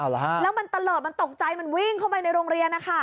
แล้วมันตะเลิศมันตกใจมันวิ่งเข้าไปในโรงเรียนนะคะ